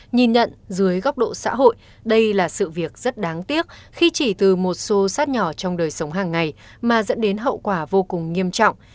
nhìn nhận dưới góc độ xã hội đây là sự việc rất đáng tiếc khi chỉ từ một xô sát nhỏ trong đời sống hàng ngày mà dẫn đến hậu quả vô cùng nghiêm trọng